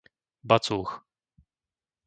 Bacúch